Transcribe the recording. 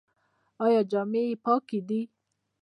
ایا جامې یې پاکې دي؟